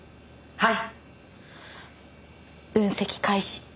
「はい」